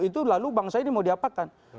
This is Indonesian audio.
itu lalu bangsa ini mau diapakan